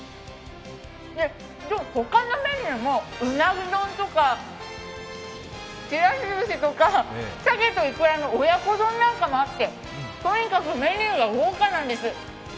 他のメニューも、うなぎ丼とかちらしずしとか、しゃけといくらの親子丼なんかもあって、とにかくメニューが豪華なんです。